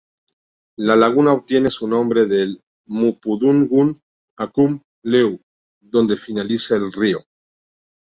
La laguna obtiene su nombre del mapudungun "Acum"-"Leu", "Donde finaliza el río".